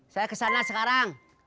saya ke sana sekarang